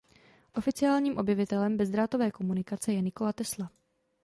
Oficiálním objevitelem bezdrátové komunikace je Nikola Tesla.